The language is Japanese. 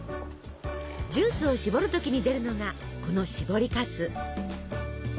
ジュースをしぼる時に出るのがこのしぼりかす。